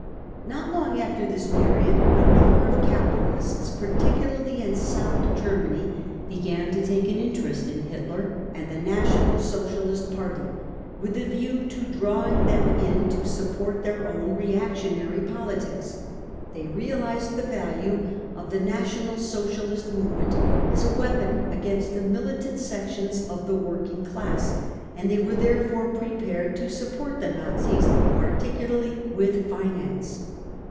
Not long after this period, a number of capitalists, particularly in South Germany, began to take an interest in Hitler and the National Socialist • Party, with a view to drawing them in to support their own reactionary politics. They realised the value of the National Socialist movement as a weapon against the militant sections of the working class, and they were therefore pre pared to support the Nazis, particularly with finance.